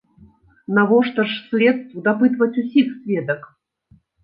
Навошта ж следству дапытваць усіх сведак?